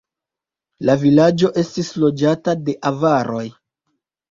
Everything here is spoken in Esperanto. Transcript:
La vilaĝo estis loĝata de avaroj.